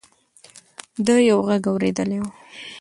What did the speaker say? ده یو غږ اورېدلی و.